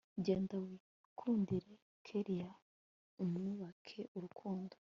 genda wikundire kellia mwubake urukundo